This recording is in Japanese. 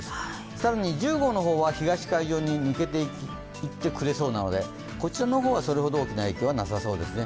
ただし１０号の方は東海上に抜けていってくれそうなので、こちらの方はそれほど大きな影響はなさそうですね。